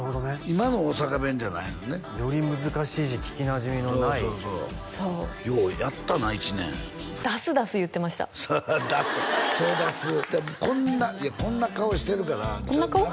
今の大阪弁じゃないよねより難しいし聞きなじみのないそうそうそうそうようやったな１年「だすだす」言ってました「だす」そうだすでもこんないやこんな顔してるからこんな顔？